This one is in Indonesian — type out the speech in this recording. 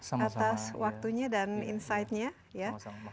atas waktunya dan insight nya